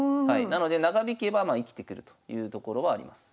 なので長引けば生きてくるというところはあります。